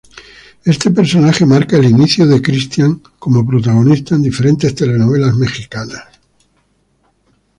Este personaje marca el inicio de Cristián como protagonista en diferentes Telenovelas Mexicanas.